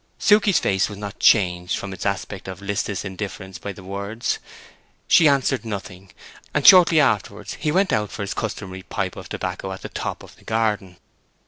Suke's face was not changed from its aspect of listless indifference by the words. She answered nothing; and shortly after he went out for his customary pipe of tobacco at the top of the garden.